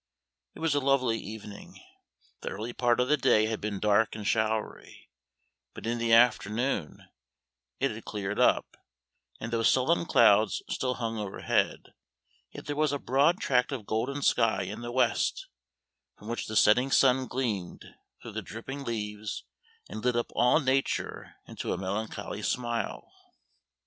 It was a lovely evening. The early part of the day had been dark and showery, but in the afternoon it had cleared up, and, though sullen clouds still hung overhead, yet there was a broad tract of golden sky in the west, from which the setting sun gleamed through the dripping leaves and lit up all Nature into a melancholy smile.